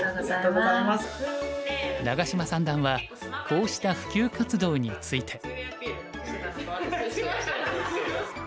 長島三段はこうした普及活動について。